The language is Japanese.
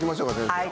はい。